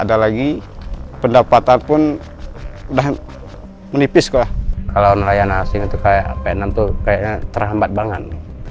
ada lagi pendapatan pun udah menipis lah kalau nelayan asing itu kayak penan itu kayaknya terhambat banget